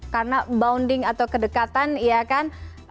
karena bounding atau kedekatan ya kan